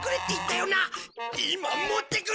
今持ってくる！